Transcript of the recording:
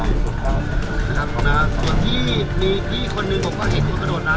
ถูกต้องนะครับส่วนที่มีพี่คนนึงบอกว่าเห็นคุณกระโดดน้ำ